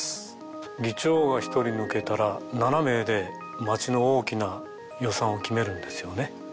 議長が１人抜けたら７名で町の大きな予算を決めるんですよね。